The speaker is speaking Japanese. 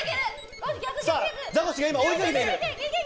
ザコシが追いかけている。